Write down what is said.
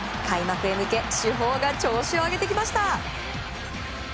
開幕へ向け主砲が調子を上げてきました。